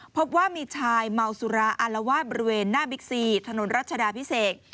พบว่ามีชายเมาสุราอารวาสบริเวณหน้าบิ๊กซีถนนรัชดาพิเศษ